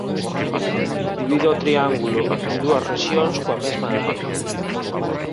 Divide ao triángulo en dúas rexións coa mesma área.